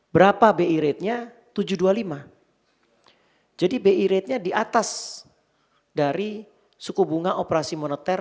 berapa bi ratenya tujuh ratus dua puluh lima jadi bi ratenya di atas dari suku bunga operasi moneter